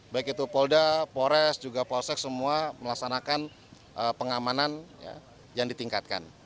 baik itu polda polres juga polsek semua melaksanakan pengamanan yang ditingkatkan